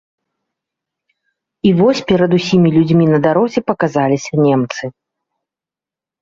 І вось перад усімі людзьмі на дарозе паказаліся немцы.